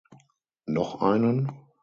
Noch einen?